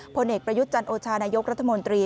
ผลเอกประยุทธ์จันโอชานายกรัฐมนตรี